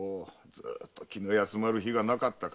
ずっと気の休まる日がなかったから。